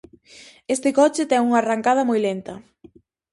Este coche ten unha arrancada moi lenta.